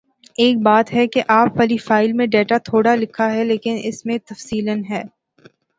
ایک بات ہے کہ آپ والی فائل میں ڈیٹا تھوڑا لکھا ہے لیکن اس میں تفصیلاً ہے